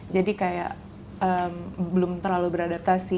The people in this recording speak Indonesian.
jadi kayak belum terlalu beradaptasi